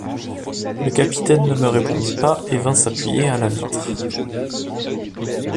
Le capitaine ne me répondit pas et vint s’appuyer à la vitre.